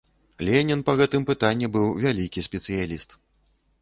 Ленін па гэтым пытанні быў вялікі спецыяліст.